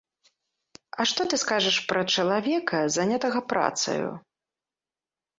А што ты скажаш пра чалавека, занятага працаю?!